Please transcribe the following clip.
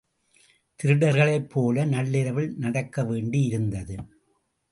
திருடர்களைப் போல் நள்ளிரவில் நடக்கவேண்டியிருந்தது.